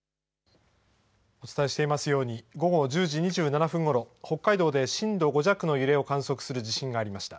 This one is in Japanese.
お伝えしていますように、午後１０時２７分ごろ、北海道で震度５弱の揺れを観測する地震がありました。